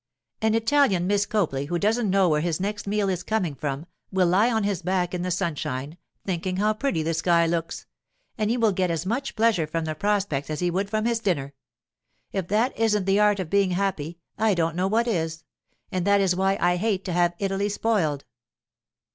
'An Italian, Miss Copley, who doesn't know where his next meal is coming from, will lie on his back in the sunshine, thinking how pretty the sky looks; and he will get as much pleasure from the prospect as he would from his dinner. If that isn't the art of being happy, I don't know what is. And that is why I hate to have Italy spoiled.